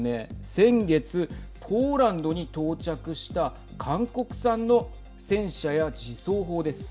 先月ポーランドに到着した韓国産の戦車や自走砲です。